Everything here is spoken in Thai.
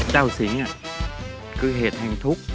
สิงศ์คือเหตุแห่งทุกข์